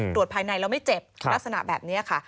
ตรวจภายในแล้วไม่เจ็บลักษณะแบบนี้ค่ะ